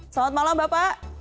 selamat malam bapak